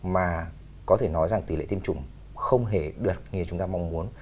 mà có thể nói rằng tỷ lệ tiêm chủng không hề được như chúng ta mong muốn